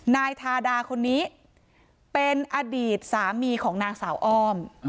นายทาดาคนนี้เป็นอดีตสามีของนางสาวอ้อม